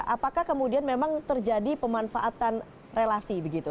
apakah kemudian memang terjadi pemanfaatan relasi begitu